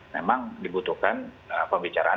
memang dibutuhkan pembicaraan dan perbincangan